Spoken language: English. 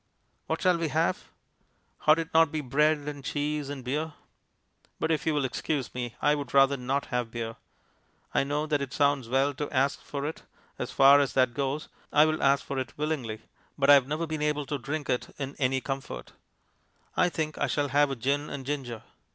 What shall we have? Ought it not to be bread and cheese and beer? But if you will excuse me, I would rather not have beer. I know that it sounds well to ask for it as far as that goes, I will ask for it willingly but I have never been able to drink it in any comfort. I think I shall have a gin and ginger.